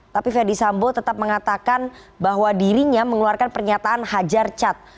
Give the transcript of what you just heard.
tapi verdi sambo tetap mengatakan bahwa dirinya mengeluarkan pernyataan hajar cat